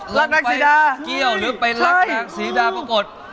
ไปเกี้ยวหรือไปรักนางสีดาปรากฏ